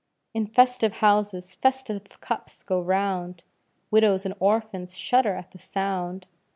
"In festive houses festive cups go round!" Widows and orphans shudder at the sound.